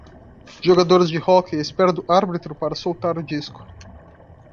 Jogadores de hóquei à espera do árbitro para soltar o disco